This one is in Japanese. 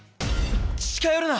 近寄るな。